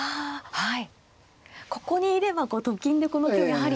はい。